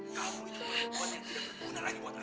kamu itu penyakit yang tidak berguna lagi buat aku